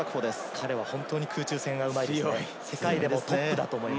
彼は本当に空中戦がうまいですね。